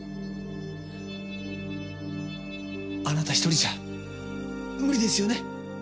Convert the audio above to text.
あなた１人じゃ無理ですよね？